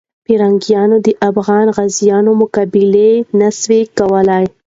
پرنګیانو د افغان غازیانو مقابله نه سوه کولای.